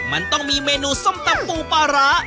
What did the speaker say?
มันต้องมีเมนูส้มตำปูปลาร้า